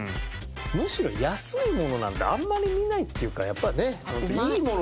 むしろ安いものなんてあんまり見ないっていうかやっぱりねいいものですよね。